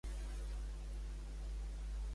Es trobava al mig d'una ciutat aquest?